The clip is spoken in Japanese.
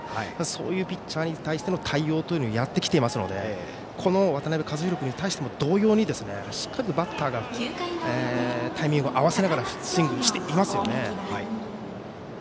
そういうピッチャーに対しての対応というのをやってきていますので渡辺和大君に対してもしっかりバッターがタイミングを合わせながらスイングしてますよね。